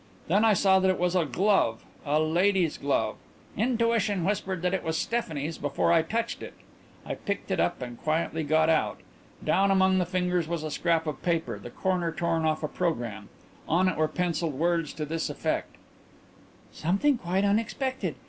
Then I saw that it was a glove a lady's glove. Intuition whispered that it was Stephanie's before I touched it. I picked it up and quietly got out. Down among the fingers was a scrap of paper the corner torn off a programme. On it were pencilled words to this effect: "'Something quite unexpected.